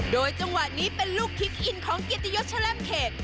โดยจังหวะนี้เป็นลูกคิกอินของเกียรติยศแชล่มเขต